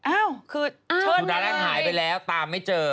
อ้าวคือเชิญกันเลยสุดารักษณ์หายไปแล้วตามไม่เจอ